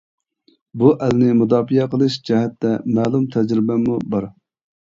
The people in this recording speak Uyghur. بۇ ئەلنى مۇداپىئە قىلىش جەھەتتە مەلۇم تەجرىبەممۇ بار.